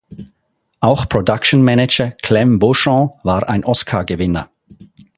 Auch Production Manager Clem Beauchamp war ein Oscargewinner.